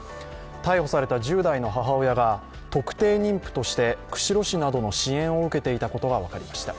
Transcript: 逮捕された１０代の母親が特定妊婦として釧路市などの支援を受けていたことが分かりました。